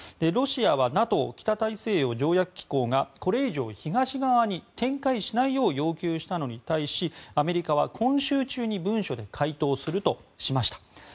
ロシアはＮＡＴＯ・北大西洋条約機構がこれ以上、東側に展開しないよう要求したのに対しアメリカは今週中に文書で回答するとしました。